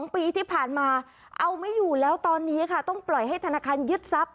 ๒ปีที่ผ่านมาเอาไม่อยู่แล้วตอนนี้ค่ะต้องปล่อยให้ธนาคารยึดทรัพย